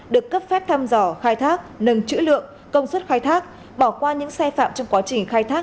được cấp phép thăm dò khai thác nâng chữ lượng công suất khai thác bỏ qua những xe phạm trong quá trình khai thác